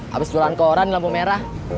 habis jualan koran di lampu merah